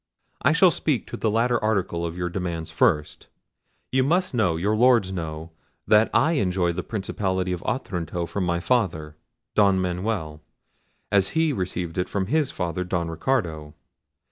I shall speak to the latter article of your demands first. You must know, your Lord knows, that I enjoy the principality of Otranto from my father, Don Manuel, as he received it from his father, Don Ricardo.